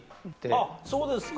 あっそうですか。